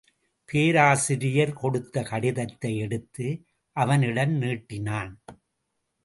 பேராசிரியர் கொடுத்த கடிதத்தை எடுத்து அவனிடம் நீட்டினான்.